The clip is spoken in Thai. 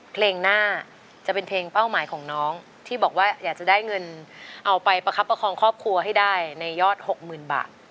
เพลงหน้าจะเป็นเพลงเป้าหมายของน้องที่บอกว่าอยากจะได้เงินเอาไปประคับประคองครอบครัวให้ได้ในยอด๖๐๐๐บาท